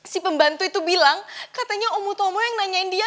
si pembantu itu bilang katanya om utomo yang nanyain dia